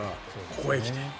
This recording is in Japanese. ここへ来て。